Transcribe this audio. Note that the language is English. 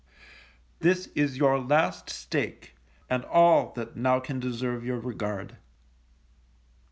This is your last stake, and all that now can deserve your regard.